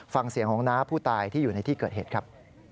ฟังเสียงของน้าผู้ตายที่อยู่ในที่เกิดเหตุครับ